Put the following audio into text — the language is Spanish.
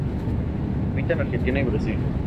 Habita en Argentina y Brasil.